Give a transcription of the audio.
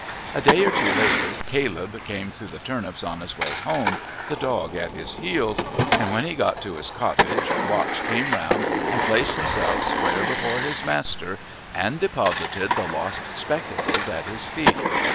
A day or two later Caleb came through the turnips on his way home, the dog at his heels, and when he got to his cottage Watch came round and placed himself square before his master and deposited the lost spectacles at his feet.